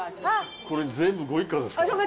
これ全部ご一家ですか？